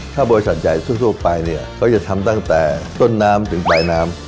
ถ้าบริษัทใหญ่ทั่วไปเนี่ยเขาจะทำตั้งแต่ต้นน้ำถึงปลายน้ำ